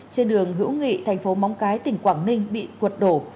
trên đường hữu nghị thành phố móng cái tỉnh quảng ninh bị quật đổ